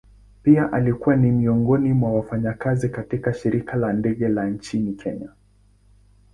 Pia alikuwa ni miongoni mwa wafanyakazi katika shirika la ndege la nchini kenya.